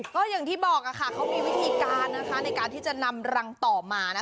ก็อย่างที่บอกค่ะเขามีวิธีการนะคะในการที่จะนำรังต่อมา